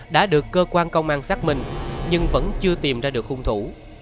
đã được cơ quan công an xác minh nhưng vẫn chưa tìm ra được hung thủ